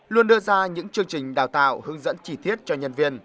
luôn đưa ra những chương trình đào tạo hướng dẫn chỉ thiết cho nhân viên